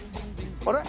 あれ？